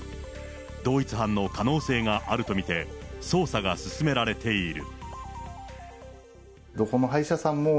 同一犯の可能性があると見て、捜査が進められている。